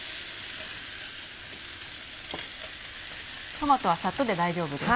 トマトはさっとで大丈夫です。